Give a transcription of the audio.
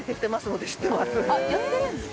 やってるんですか？